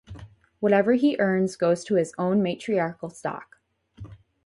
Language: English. Whatever he earns goes to his own matriarchal stock.